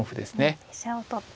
飛車を取って。